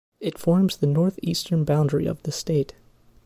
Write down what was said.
It forms the northeastern boundary of the state.